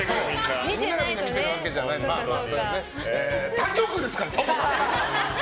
他局ですからそもそも！